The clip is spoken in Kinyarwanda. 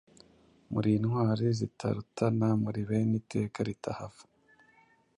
Muri intwari zitarutana, Muri bene iteka ritahava,